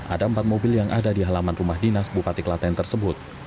ada empat mobil yang ada di halaman rumah dinas bupati kelaten tersebut